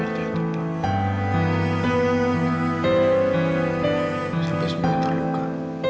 sampai semuanya terluka